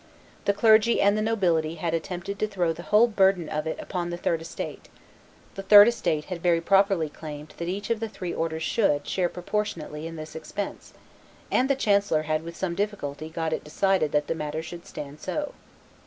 The clergy and the nobility had attempted to throw the whole burden of it upon the third estate; the third estate had very properly claimed that each of the three orders should, share proportionately in this expense, and the chancellor had with some difficulty got it decided that the matter should stand so.